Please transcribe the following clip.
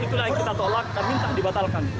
itu yang kita tolak kami tak dibatalkan